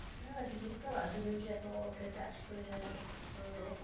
Poté žila v bytě v Praze v Podolí.